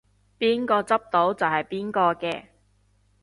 邊個執到就係邊個嘅